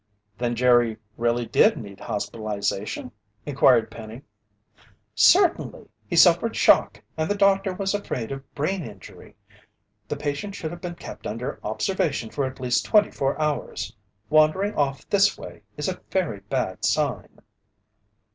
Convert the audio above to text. "Then Jerry really did need hospitalization?" inquired Penny. "Certainly. He suffered shock and the doctor was afraid of brain injury. The patient should have been kept under observation for at least twenty four hours. Wandering off this way is a very bad sign."